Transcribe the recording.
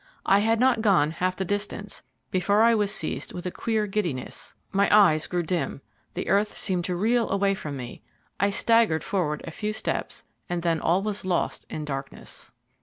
I had not gone half the distance before I was seized with a queer giddiness, my eyes grew dim, the earth seemed to reel away from me, I staggered forward a few steps, and then all was lost in darkness.